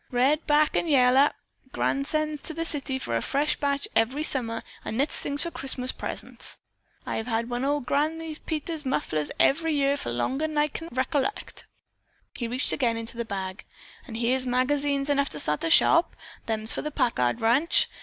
"Red, black and yellar. Granny sends to the city for a fresh batch every summer and knits things for Christmas presents. I've had one o' Granny Peters' mufflers every year for longer than I kin recollect." He reached again into the bag. "An' here's magazines enough to start a shop. Them's for the Packard ranch.